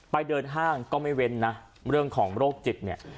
เดินห้างก็ไม่เว้นนะเรื่องของโรคจิตเนี่ย